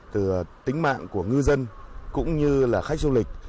từ tính mạng của ngư dân cũng như là khách du lịch